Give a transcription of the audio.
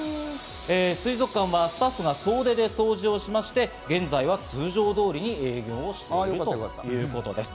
水族館はスタッフが総出で掃除をしまして、現在は通常通りに営業をしているということです。